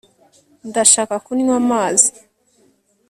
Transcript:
ndashaka kunywa amazi